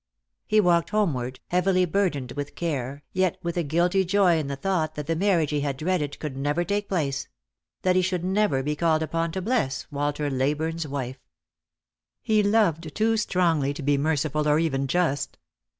He walked homeward, heavily burdened with care, yet with a guilty joy in the thought that the marriage he had dreaded could never take place — that he should never be called upon to bless Water Leyburne's wife. He loved too strongly to be merciful or even just.